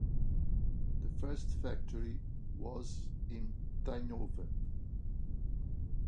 The first factory was in Tienhoven.